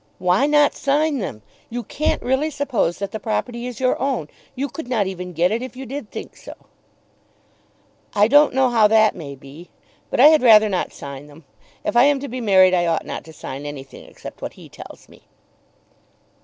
"Why not sign them? You can't really suppose that the property is your own. You could not even get it if you did think so." "I don't know how that may be; but I had rather not sign them. If I am to be married, I ought not to sign anything except what he tells me."